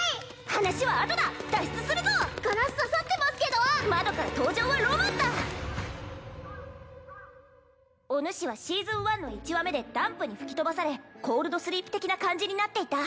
話はあとだ脱出するぞガラス刺さってますけど窓から登場はロマンだおぬしはシーズン１の１話目でダンプに吹き飛ばされコールドスリープ的な感じになっていた